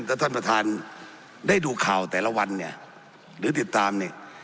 ถ้าท่านประธานได้ดูข่าวแต่ละวันเนี่ยหรือติดตามเนี่ย